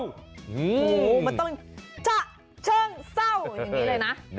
โอ้โหมันต้องฉะเชิงเศร้าอย่างนี้เลยนะ